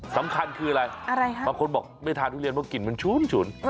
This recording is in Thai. สำคัญคืออะไรคะบางคนบอกไม่ทานทุเรียนเพราะกลิ่นมันฉุนฉุน